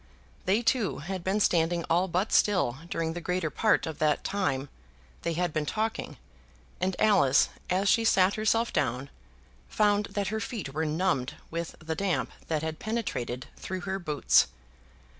They two had been standing all but still during the greater part of the time that they had been talking, and Alice, as she sat herself down, found that her feet were numbed with the damp that had penetrated through her boots.